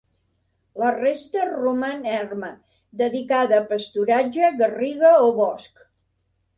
La resta roman erma, dedicada a pasturatge, garriga o bosc.